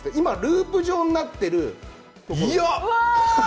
今、ループ状になっている